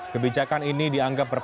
kebijakan ini dianggap berperan